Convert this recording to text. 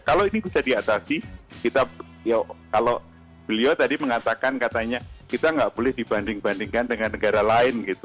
kalau ini bisa diatasi kita ya kalau beliau tadi mengatakan katanya kita nggak boleh dibanding bandingkan dengan negara lain gitu